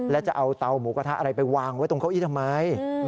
แล้วจะเอาเตาหมูกระทะอะไรไปวางไว้ตรงเก้าอี้ทำไม